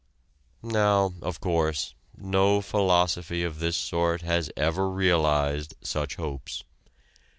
Now, of course, no philosophy of this sort has ever realized such hopes.